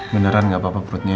beneran gak apa apa perutnya